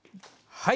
はい！